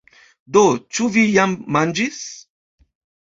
Do, ĉu vi jam manĝis?